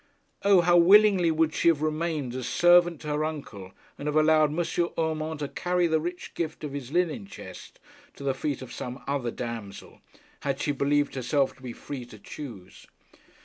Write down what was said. O, how willingly would she have remained as servant to her uncle, and have allowed M. Urmand to carry the rich gift of his linen chest to the feet of some other damsel, had she believed herself to be free to choose!